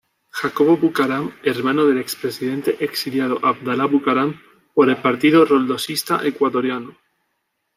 Jacobo Bucaram, hermano del expresidente exiliado Abdalá Bucaram, por el Partido Roldosista Ecuatoriano.